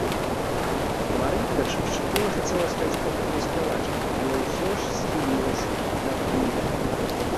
Мары першапачаткова хацела стаць опернай спявачкай, але ўсё ж схілілася да вадэвіля.